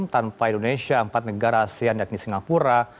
tanpa indonesia empat negara asean dan di singapura